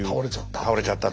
倒れちゃった。